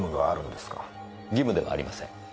義務ではありません。